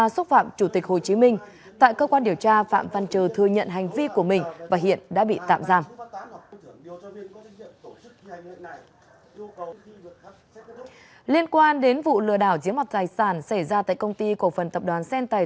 xin chào và hẹn gặp lại